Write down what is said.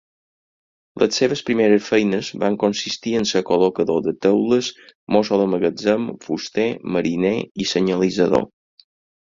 Les seves primers feines van consistir en ser col·locador de teules, mosso de magatzem, fuster, mariner i senyalitzador.